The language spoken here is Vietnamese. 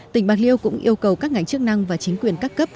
tỉnh bạc liêu cũng yêu cầu các ngành chức năng và chính quyền các cấp